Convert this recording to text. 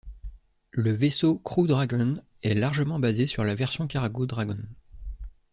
Le vaisseau Crew Dragon est largement basé sur la version cargo Dragon.